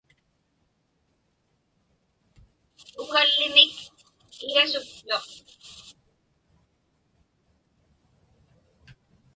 Ukallimik igasuktuq.